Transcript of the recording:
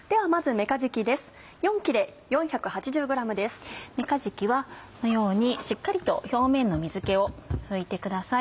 めかじきはこのようにしっかりと表面の水気を拭いてください。